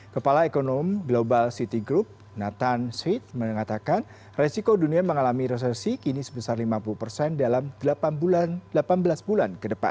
kepala ekonomi global city group nathan shit mengatakan resiko dunia mengalami resesi kini sebesar lima puluh persen dalam delapan belas bulan ke depan